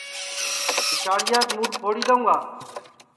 اِٹاڑِیاس مُوڈؔ پھوڑی دؔیؤں گا